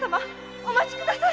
お待ちください！〕